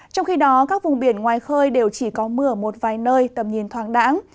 trong khi đó các vùng biển ngoài khơi đều chỉ có mưa ở một vài nơi tầm nhìn thoáng đẳng